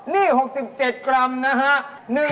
นี่๖๗กรัมนะฮะ